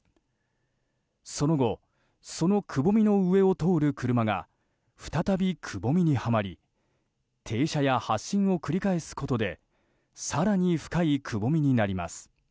その後、そのくぼみの上を通る車が再びくぼみにはまり停車や発進を繰り返すことで更に深いくぼみになります。